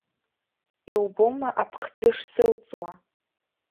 Иубома аԥхӡы шсылҵуа?!